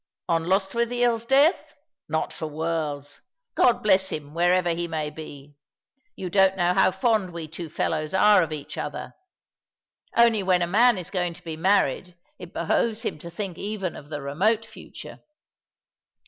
"On Lostwithiel's death? Not for worlds. God bless him, wherever he may be. You don't know how fond wo two fellows are of each other. Only when a man is going to be married it behoves him to think even of the remote future.